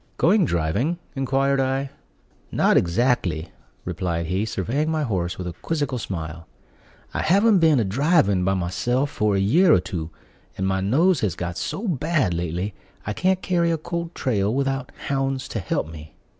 "Going driving?" inquired I. "Not exactly," replied he, surveying my horse with a quizzical smile; "I haven't been a driving by myself for a year or two; and my nose has got so bad lately, I can't carry a cold trail without hounds to help me."